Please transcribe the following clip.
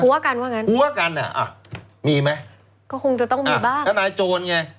ว่ากันว่างั้นหัวกันอ่ะอ่ะมีไหมก็คงจะต้องมีบ้างทนายโจรไง